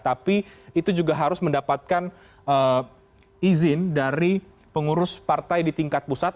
tapi itu juga harus mendapatkan izin dari pengurus partai di tingkat pusat